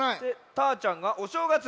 たーちゃんが「おしょうがつ」。